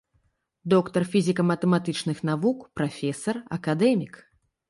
Доктар фізіка-матэматычных навук, прафесар, акадэмік.